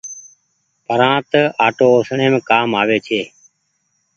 پرانت آٽو اُسڻيم ڪآم آوي ڇي۔